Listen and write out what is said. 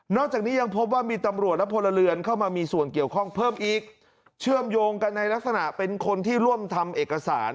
นอกจากนี้ยังพบว่ามีตำรวจและพลเรือนเข้ามามีส่วนเกี่ยวข้องเพิ่มอีก